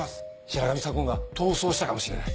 白神左紺が逃走したかもしれない。